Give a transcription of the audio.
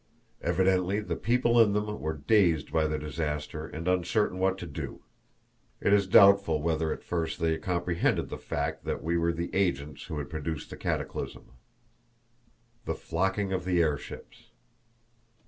Evidently the people in them were dazed by the disaster and uncertain what to do. It is doubtful whether at first they comprehended the fact that we were the agents who had produced the cataclysm. The Flocking of the Airships.